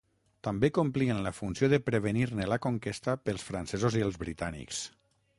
També complien la funció de prevenir-ne la conquesta pels francesos i els britànics.